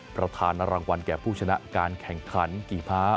ประธานรางวัลแก่ผู้ชนะการแข่งขันกี่พา